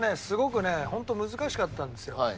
すごくねホント難しかったんですよ。